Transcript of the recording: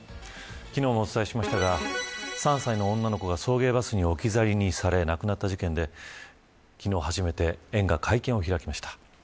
昨日もお伝えしましたが３歳の女の子が送迎バスに置き去りにされ亡くなった事件で昨日、初めて園が会見を開きました。